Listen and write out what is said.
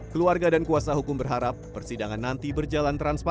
keluarga dan kuasa hukum berharap persidangan nanti berjalan transparan